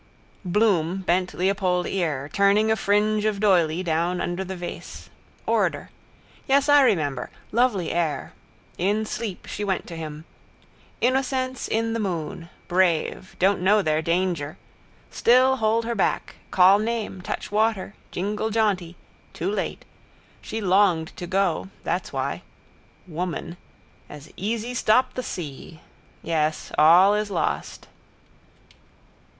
Bloom bent leopold ear, turning a fringe of doyley down under the vase. Order. Yes, I remember. Lovely air. In sleep she went to him. Innocence in the moon. Brave. Don't know their danger. Still hold her back. Call name. Touch water. Jingle jaunty. Too late. She longed to go. That's why. Woman. As easy stop the sea. Yes: all is lost.